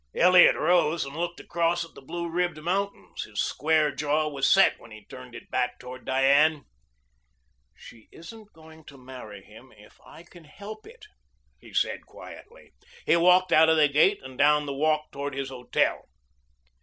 Elliot rose and looked across at the blue ribbed mountains. His square jaw was set when he turned it back toward Diane. "She isn't going to marry him if I can help it," he said quietly. He walked out of the gate and down the walk toward his hotel.